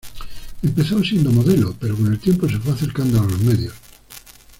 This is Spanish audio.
Empezó siendo modelo pero con el tiempo se fue acercando a los medios.